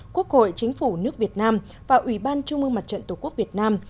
quốc hội chính phủ nước việt nam và ủy ban trung mương mặt trận tổ quốc việt nam